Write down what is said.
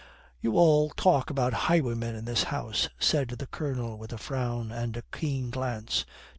"You all talk about highwaymen in this house," said the Colonel with a frown and a keen glance.